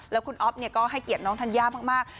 แล้วคุณอ๊อฟก็ให้เกียรติน้องธัญญามาก